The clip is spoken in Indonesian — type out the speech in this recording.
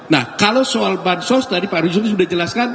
nah kalau soal bansos tadi pak rizwan sudah jelaskan